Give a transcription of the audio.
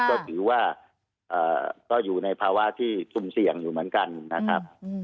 ก็ถือว่าก็อยู่ในภาวะที่สุ่มเสี่ยงอยู่เหมือนกันนะครับ